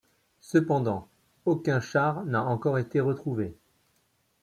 Cependant, aucun char n’a encore été retrouvé.